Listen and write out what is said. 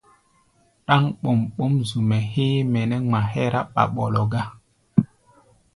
Ɗáŋ ɓɔm-ɓɔ́m zu-mɛ́ héé mɛ nɛ́ ŋma hɛ́rá ɓaɓɔlɔ gá.